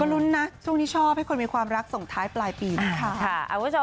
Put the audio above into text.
รุ้นนะช่วงนี้ชอบให้คนมีความรักส่งท้ายปลายปีนะคะ